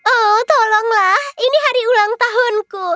oh tolonglah ini hari ulang tahunku